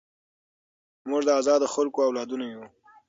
موږ د ازادو خلکو اولادونه یو.